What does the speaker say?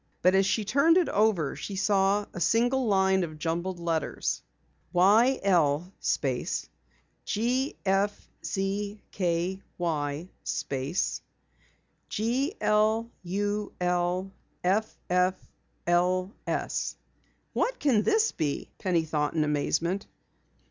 But as she turned it over she saw a single line of jumbled letters: YL GFZKY GLULFFLS "What can this be?" Penny thought in amazement.